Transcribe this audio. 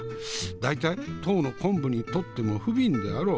大体当の昆布にとっても不憫であろう。